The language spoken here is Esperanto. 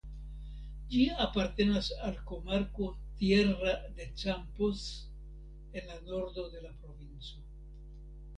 Ĝi apartenas al komarko "Tierra de Campos" en la nordo de la provinco.